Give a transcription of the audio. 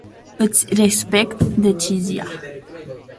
Iti respect decizia.